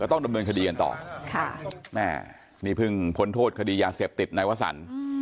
ต้องดำเนินคดีกันต่อค่ะแม่นี่เพิ่งพ้นโทษคดียาเสพติดนายวสัน